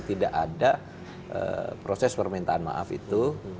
tidak ada proses permintaan maaf itu